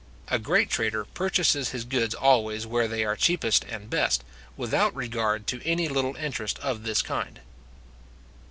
A great trader purchases his goods always where they are cheapest and best, without regard to any little interest of this kind.